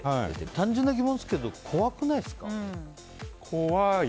単純な疑問ですけど怖くないですか？